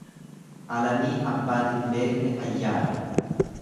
Alamii abbaan hin beekne fayyaadha.